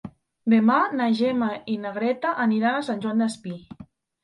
Demà na Gemma i na Greta aniran a Sant Joan Despí.